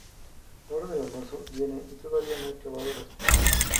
La hora del almuerzo viene y todavía no he clavado la pieza.